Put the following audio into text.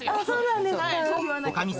そうなんですか？